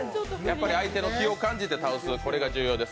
相手の気を感じて倒す、これが重要です。